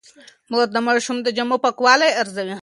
مور د ماشوم د جامو پاکوالی ارزوي.